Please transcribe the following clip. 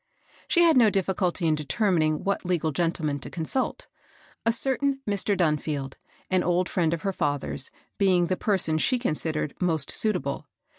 She had no di£Sculty in determining what legal gentleman to consult, — a certain Mr. Dunfield, an old friend of her father's, being the person she con sidered most suitable.